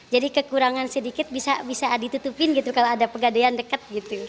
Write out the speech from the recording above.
jadi kekurangan sedikit bisa ditutupin kalau ada pegadaian dekat